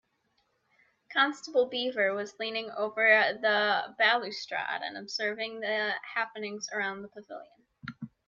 Constable Beaver was leaning over the balustrade and observing the happenings around the pavilion.